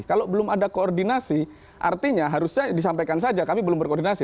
kalau belum ada koordinasi artinya harusnya disampaikan saja kami belum berkoordinasi